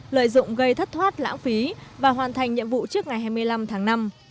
lợi dụng gây thất thoát lãng phí và hoàn thành nhiệm vụ trước ngày hai mươi năm tháng năm